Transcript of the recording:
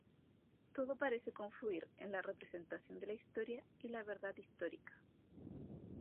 Todo parece confluir en la representación de la Historia y de la Verdad histórica.